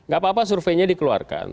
gak apa apa surveinya dikeluarkan